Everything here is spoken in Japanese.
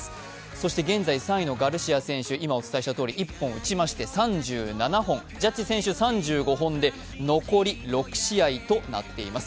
そして現在３位のガルシア選手、１本打ちまして３７本、ジャッジ選手が３５本で残り６試合となっています。